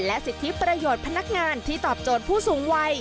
สิทธิประโยชน์พนักงานที่ตอบโจทย์ผู้สูงวัย